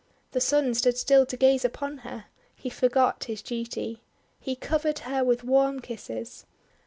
The Sun stood still to gaze upon her. He forgot his duty. He covered her with warm kisses.